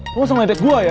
lu mau sama dedek gue ya